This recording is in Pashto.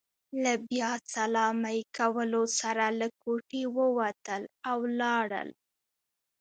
له بیا سلامۍ کولو سره له کوټې ووتل، او لاړل.